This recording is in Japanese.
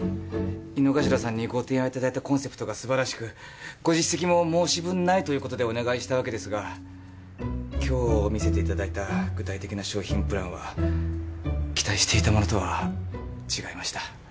井之頭さんにご提案いただいたコンセプトがすばらしくご実績も申し分ないということでお願いしたわけですが今日見せていただいた具体的な商品プランは期待していたものとは違いました。